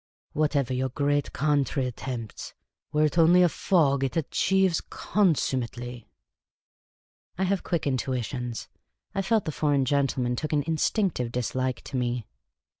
*' Whatever your great country attempts — were it only a fog — it achieves consummately." I have quick intuitions. I felt the foreign gentleman took an instinctive dislike to me.